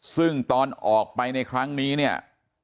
ซึ่งตอนออกไปในครั้งนี้เนี่ย